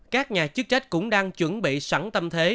các nhà chức trách cũng đang chuẩn bị sẵn tâm thế